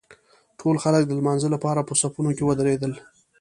ټول خلک د لمانځه لپاره په صفونو کې ودرېدل.